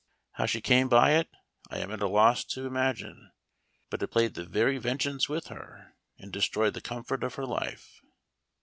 How she came by it I am at a loss to imagine ; but it played the very vengeance with her, and destroyed the comfort of her life.